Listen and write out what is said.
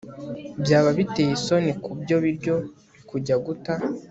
byaba biteye isoni kubyo biryo kujya guta